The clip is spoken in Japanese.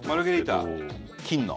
金の？